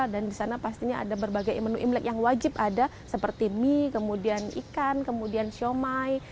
dan di sana pastinya ada berbagai menu imlek yang wajib ada seperti mie kemudian ikan kemudian siomay